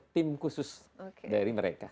tim khusus dari mereka